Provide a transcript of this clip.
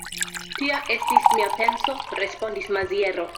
Tia estis mia penso, respondis Maziero.